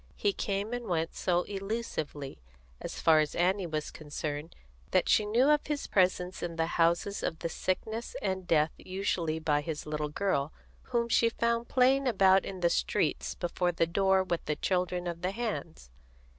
He came and went so elusively, as far as Annie was concerned, that she knew of his presence in the houses of sickness and death usually by his little girl, whom she found playing about in the street before the door with the children of the hands.